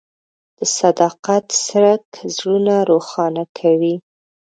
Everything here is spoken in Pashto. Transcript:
د صداقت څرک زړونه روښانه کوي.